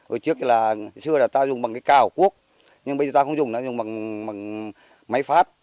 hồi trước là xưa là ta dùng bằng cái cào cuốc nhưng bây giờ ta không dùng nó dùng bằng máy phát